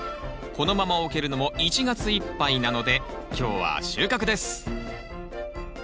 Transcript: このまま置けるのも１月いっぱいなので今日は収穫です